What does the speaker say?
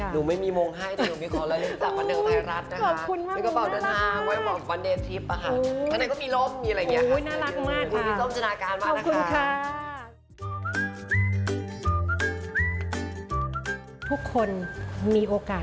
หนูไม่มีโมงให้แต่หนูมีขอเลื่อนลูกภาคภาคภาคภาคนเดิมไทยรัฐนะคะ